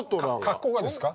格好がですか？